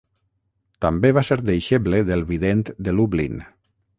També va ser deixeble del Vident de Lublin.